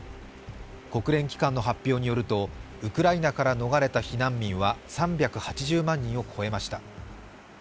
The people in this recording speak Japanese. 国連機関の発表によるとウクライナから逃れた避難民は３８０万人を超えました。